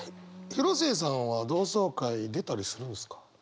広末さんは同窓会出たりするんですか？